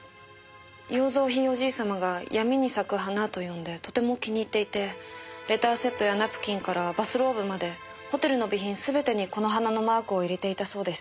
洋蔵ひいおじい様が「闇に咲く花」と呼んでとても気に入っていてレターセットやナプキンからバスローブまでホテルの備品全てにこの花のマークを入れていたそうです。